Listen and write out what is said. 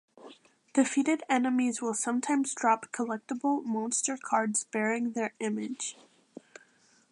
Defeated enemies will sometimes drop collectible Monster Cards bearing their image.